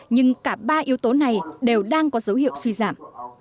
nhưng cả ba yếu tố này đều đang có dấu hiệu suy giảm